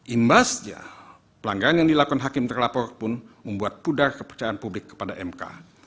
imbasnya pelanggaran yang dilakukan hakim terlapor pun membuat pudar kepercayaan publik kepada mk